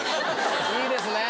いいですね。